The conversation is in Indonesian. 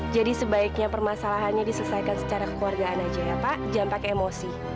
jadi sebaiknya permasalahannya diselesaikan secara kekeluargaan aja ya pak jangan pakai emosi